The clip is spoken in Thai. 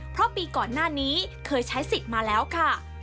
เพราะปีก่อนหน้านี้เคยใช้สิทธิ์มาแล้วค่ะ